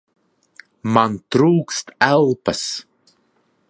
Man trūkst elpas!